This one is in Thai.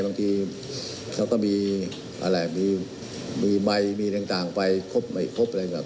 บางทีเขาก็มีใบมีต่างไปครบไม่ครบอะไรอย่างนี้